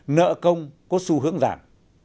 nợ công có xu hướng giảm